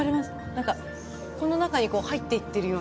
何かこの中にこう入っていってるような。